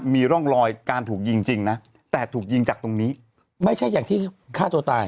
มีร่องรอยการถูกยิงจริงนะแต่ถูกยิงจากตรงนี้ไม่ใช่อย่างที่ฆ่าตัวตาย